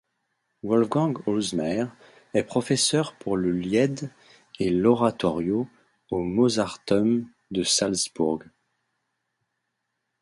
Wolfgang Holzmair est professeur pour le lied et l'Oratorio au Mozarteum de Salzbourg.